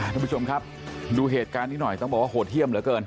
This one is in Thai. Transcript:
ท่านผู้ชมครับดูเหตุการณ์นี้หน่อยต้องบอกว่าโหดเยี่ยมเหลือเกิน